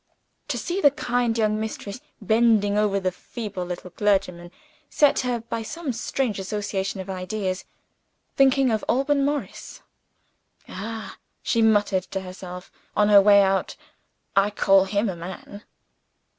To see the kind young mistress bending over the feeble little clergyman set her by some strange association of ideas thinking of Alban Morris. "Ah," she muttered to herself, on her way out, "I call him a Man!"